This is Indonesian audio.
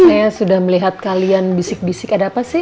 saya sudah melihat kalian bisik bisik ada apa sih